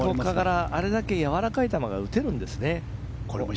あれだけやわらかい球が打てるんですね。